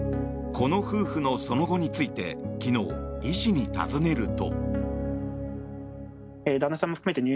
この夫婦のその後について昨日、医師に尋ねると。